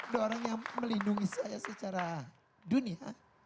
dua orang yang melindungi saya secara dunia